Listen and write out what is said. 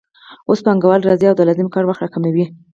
اوس پانګوال راځي او د لازم کار وخت راکموي